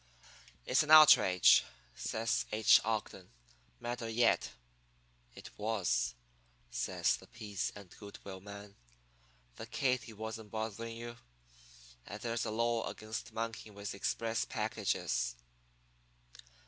"'It's an outrage,' says H. Ogden, madder yet. "'It was,' says the peace and good will man. 'The Katy wasn't bothering you, and there's a law against monkeying with express packages.'